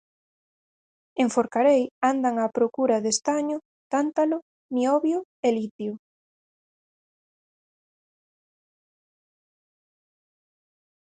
En Forcarei andan á procura de estaño, tántalo, niobio e litio.